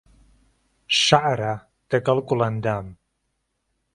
شەعره دهگهڵ گوڵەندام